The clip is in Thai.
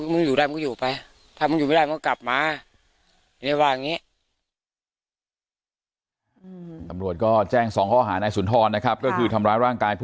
มึงอยู่ได้มึงก็อยู่ไปถ้ามึงอยู่ไม่ได้มึงก็กลับมา